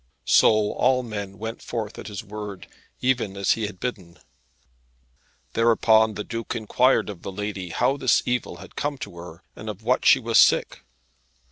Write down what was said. So all men went forth at his word, even as he had bidden. Thereupon the Duke inquired of the lady how this evil had come to her, and of what she was sick.